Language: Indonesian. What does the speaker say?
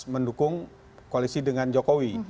mendukung koalisi dengan jokowi